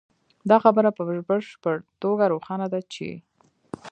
دا خبره په بشپړه توګه روښانه ده چې نه